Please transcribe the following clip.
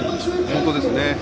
本当ですね。